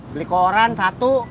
beli koran satu